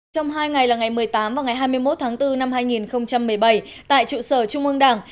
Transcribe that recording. trong hai ngày là ngày một mươi tám và ngày hai mươi một tháng bốn năm hai nghìn một mươi bảy tại trụ sở trung ương đảng